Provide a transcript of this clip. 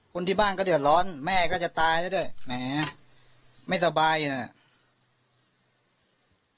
คนที่บ้านก็เดือดร้อนแม่ก็จะตายซะด้วยแหมไม่สบายน่ะ